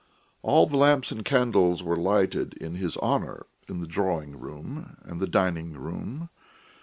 All the lamps and candles were lighted in his honour in the drawing room and the dining room.